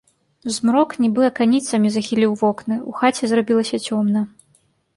Змрок, нібы аканіцамі, захіліў вокны, у хаце зрабілася цёмна.